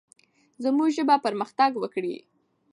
زموږ ژبه پرمختګ وکړي.